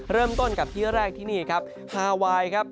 เริ่มต้นกับที่แรกที่นี่ครับฮาไวน์ครับ